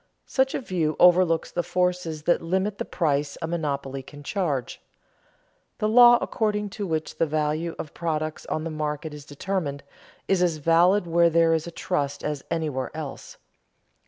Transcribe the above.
Such a view overlooks the forces that limit the price a monopoly can charge. The law according to which the value of products on the market is determined, is as valid where there is a trust as anywhere else.